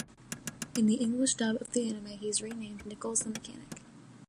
In the English dub of the anime, he is renamed Nickels the Mechanic.